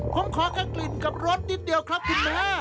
ผมขอแค่กลิ่นกับรสนิดเดียวครับคุณแม่